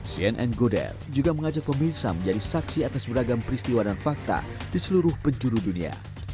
cnn goder juga mengajak pemirsa menjadi saksi atas beragam peristiwa dan fakta di seluruh penjuru dunia